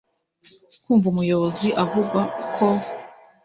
kumva umuyobozi avuga ko